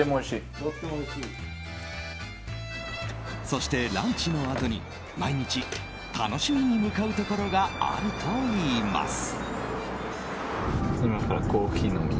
そして、ランチのあとに毎日楽しみに向かうところがあるといいます。